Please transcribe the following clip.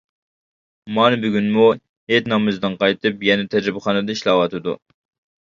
مانا بۈگۈنمۇ ھېيت نامىزىدىن قايتىپ يەنە تەجرىبىخانىدا ئىشلەۋاتىدۇ.